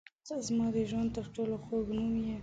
• ته زما د ژوند تر ټولو خوږ نوم یې.